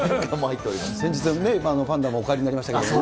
先日ね、パンダもお帰りになりましたけれども。